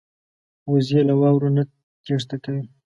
وزې له واورو نه تېښته کوي